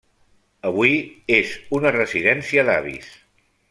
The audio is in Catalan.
Avui és una residència d'avis.